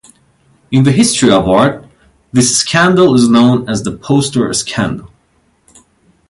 In the history of art, this scandal is known as the Poster Scandal.